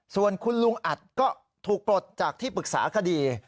ส่วนคุณลุงอัดก็ถูกปลดจากที่ปรึกษาคดี